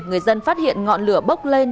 người dân phát hiện ngọn lửa bốc lên